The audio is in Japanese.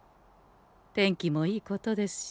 天気もいいことですし